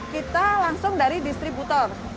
kita langsung dari distributor